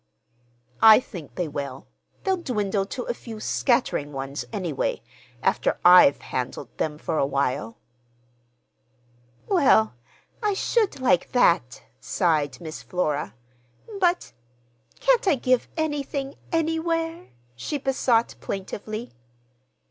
"I think they will. They'll dwindle to a few scattering ones, anyway,—after I've handled them for a while." "Well, I should like that," sighed Miss Flora. "But—can't I give anything anywhere?" she besought plaintively.